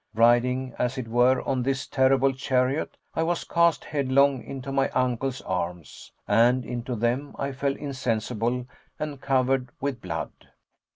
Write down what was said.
Riding as it were on this terrible chariot, I was cast headlong into my uncle's arms. And into them I fell, insensible and covered with blood.